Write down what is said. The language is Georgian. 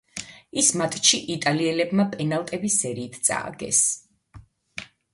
ის მატჩი იტალიელებმა პენალტების სერიით წააგეს.